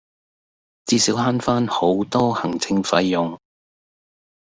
至少慳返好多行政費用